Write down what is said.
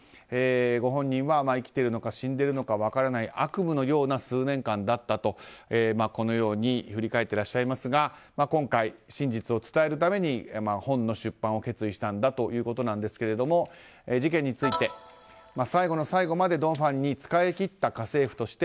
ご本人は生きているのか死んでいるのか分からない悪夢のような数年間だったと振り返っていらっしゃいますが今回、真実を伝えるために本の出版を決意したということですが事件について、最後の最後までドン・ファンに仕え切った家政婦として